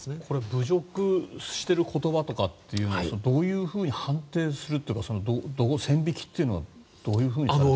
侮辱している言葉とかというのはどういうふうに判定するというか線引きというのはどういうふうに。